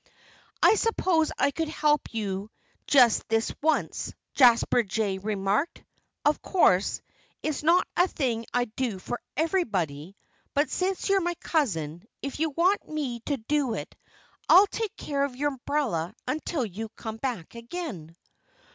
"I suppose I could help you just this once," Jasper Jay remarked. "Of course, it's not a thing I'd do for everybody. But since you're my cousin, if you want me to do it I'll take care of your umbrella until you come back again."